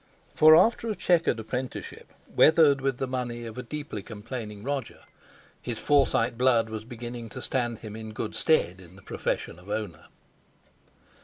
for after a chequered apprenticeship weathered with the money of a deeply complaining Roger, his Forsyte blood was beginning to stand him in good stead in the profession of owner.